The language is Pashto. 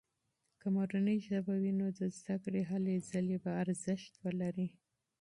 که مورنۍ ژبه وي، نو د زده کړې هلې ځلې به ارزښت ولري.